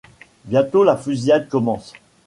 Bientôt la fusillade commence.